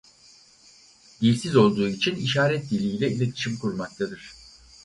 Dilsiz olduğu için işaret diliyle iletişim kurmaktadır.